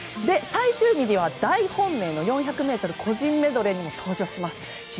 最終日には大本命の４００ｍ個人メドレーにも登場します。